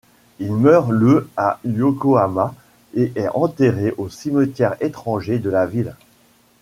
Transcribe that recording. Il meurt le à Yokohama et est enterré au cimetière étranger de la ville.